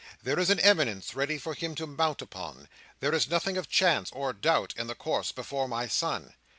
There is an eminence ready for him to mount upon. There is nothing of chance or doubt in the course before my son.